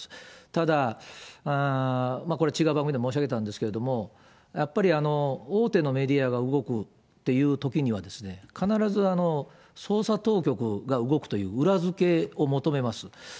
ただ、これ、違う番組でも申し上げたんですけれども、やっぱり大手のメディアが動くっていうときには、必ず捜査当局が動くという裏付けを求めます。